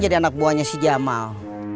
jadi anak buahnya si jamal